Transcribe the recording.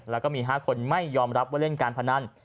แล้วก็มี๕คนไม่ยอมรับว่าเล่นการพนัน